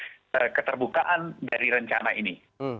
saya kira yang penting adalah keterbukaan dari rencana ini